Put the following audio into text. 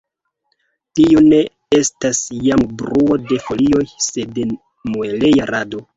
Tio ne estas jam bruo de folioj, sed mueleja rado.